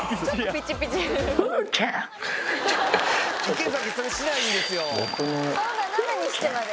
池崎それしないんですよ。